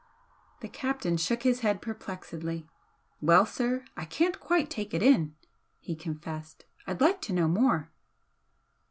The captain shook his head perplexedly. "Well, sir, I can't quite take it in," he confessed "I'd like to know more."